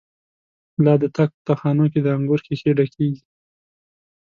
لا د تاک په تا خانو کی، دانګور ښيښی ډکيږی